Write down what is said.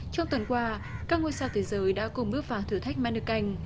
trong tuần qua các ngôi sao thế giới đã cùng bước vào thử thách manokel